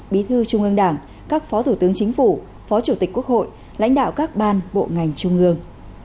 bí thư trung ương đảng các phó thủ tướng chính phủ phó chủ tịch quốc hội lãnh đạo các ban bộ ngành trung ương